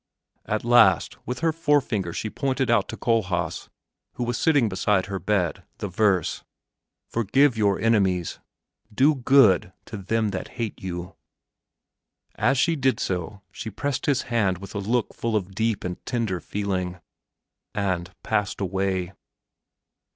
At last, with her fore finger she pointed out to Kohlhaas, who was sitting beside her bed, the verse: "Forgive your enemies; do good to them that hate you." As she did so she pressed his hand with a look full of deep and tender feeling, and passed away.